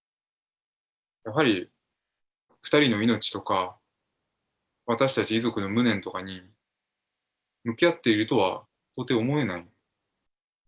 やはり２人の命とか、私たち遺族の無念とかに、向き合っているとは到底思えない。